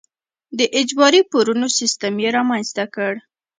د اجباري پورونو سیستم یې رامنځته کړ.